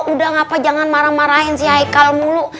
udah ngapa jangan marah marahin sih haikal mulu